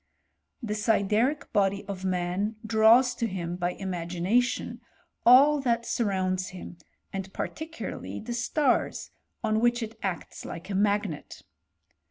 The sideric body of man draws to him, by imagination, all that surrounds him, and particularly the stars, on which it acts like a mag net.